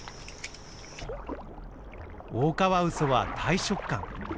オオカワウソは大食漢。